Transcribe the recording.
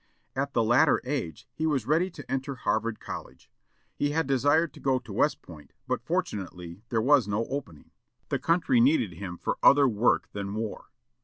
At the latter age he was ready to enter Harvard College. He had desired to go to West Point, but, fortunately, there was no opening. The country needed him for other work than war.